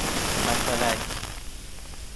متلک